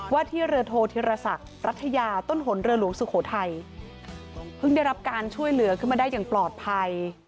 ที่เรือโทษธิรศักดิ์รัฐยาต้นหนเรือหลวงสุโขทัยเพิ่งได้รับการช่วยเหลือขึ้นมาได้อย่างปลอดภัย